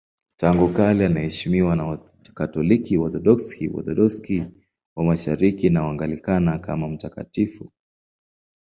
Tangu kale anaheshimiwa na Wakatoliki, Waorthodoksi, Waorthodoksi wa Mashariki na Waanglikana kama mtakatifu.